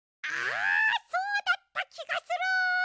あそうだったきがする。